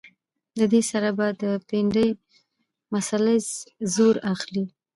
د دې سره به د پنډۍ مسلز زور اخلي